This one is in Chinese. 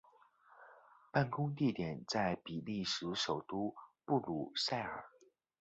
办公地点在比利时首都布鲁塞尔。